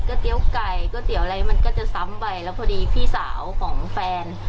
เตี๋ยวไก่ก๋วยเตี๋ยวอะไรมันก็จะซ้ำไปแล้วพอดีพี่สาวของแฟน